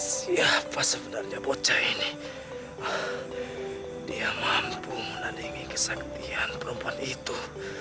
siapa sebenarnya bocah ini dia mampu menandingi kesaktian perempuan itu